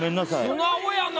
素直やな。